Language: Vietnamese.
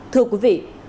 thưa quý vị